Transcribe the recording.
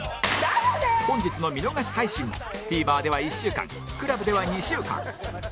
本日の見逃し配信も ＴＶｅｒ では１週間 ＣＬＵＢ では２週間